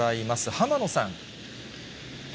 浜野さん。